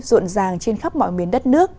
rộn ràng trên khắp mọi miền đất nước